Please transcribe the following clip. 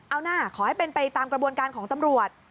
เอานะขอให้เป็นไปตามกระบวนการของตำรวจ